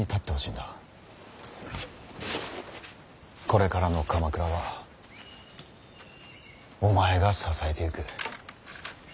これからの鎌倉はお前が支えていく。